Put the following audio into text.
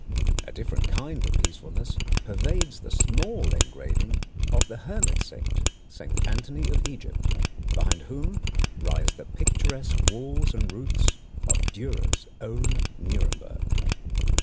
A different kind of peacefulness pervades the small engraving of the Hermit Saint, Anthony of Egypt, behind whom rise the picturesque walls and roofs of Dürer's own Nuremberg.